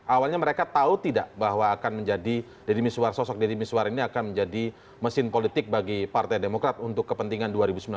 awalnya mereka tahu tidak bahwa akan menjadi deddy miswar sosok deddy miswar ini akan menjadi mesin politik bagi partai demokrat untuk kepentingan dua ribu sembilan belas